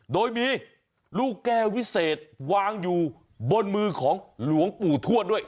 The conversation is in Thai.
โดยมีลูกแก้ววิเศษวางอยู่บนมือของหลวงปู่ทวดด้วย